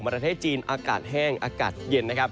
ประเทศจีนอากาศแห้งอากาศเย็นนะครับ